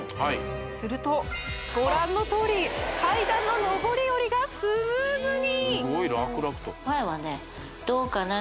するとご覧のとおり階段の上り下りがスムーズに！